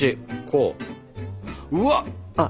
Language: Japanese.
うわっ！